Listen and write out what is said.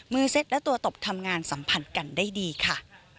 เซ็ตและตัวตบทำงานสัมผัสกันได้ดีค่ะ